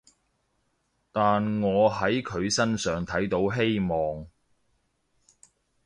但我喺佢身上睇到希望